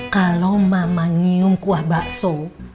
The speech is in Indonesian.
kalau mama nyium kuah bakso